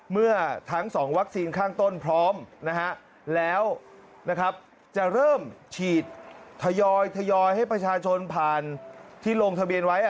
เมื่อทั้ง๒วัคซีนข้างต้นพร้อมนะฮะแล้วจะเริ่มฉีดทยอยให้ประชาชนผ่านที่ลงทะเบียนไว้